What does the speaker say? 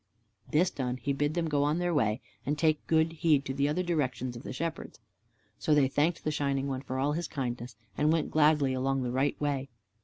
This done, he bid them go on their way and take good heed to the other directions of the Shepherds. So they thanked the Shining One for all his kindness, and went gladly along the right way.